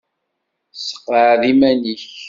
Sseqɛed iman-nnek.